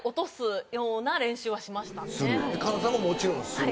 神田さんももちろんする？